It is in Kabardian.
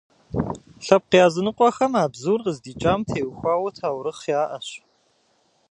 Лъэпкъ языныкъуэхэм а бзур къыздикӏам теухуа таурыхъ яӏэщ.